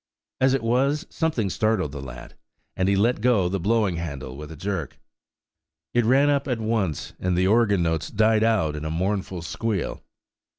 As it was, something startled the lad, and he let go the blowing handle with a jerk. It ran up at once, and the organ notes died out in a mournful squeal.